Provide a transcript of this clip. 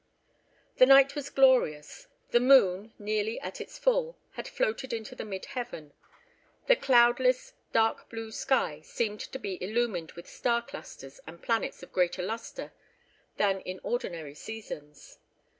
The night was glorious, the moon, nearly at its full, had floated into the mid heaven. The cloudless, dark blue sky seemed to be illumined with star clusters and planets of greater lustre than in ordinary seasons.